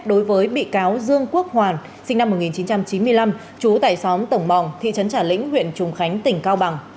đối với bị cáo dương quốc hoàn sinh năm một nghìn chín trăm chín mươi năm trú tại xóm tổng mòng thị trấn trà lĩnh huyện trùng khánh tỉnh cao bằng